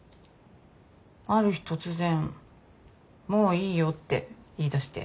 ある日突然もういいよって言いだして。